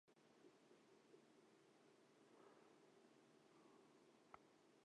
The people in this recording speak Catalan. De nou a la península, en quin espectacle va participar?